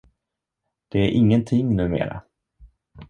Det är ingenting numera.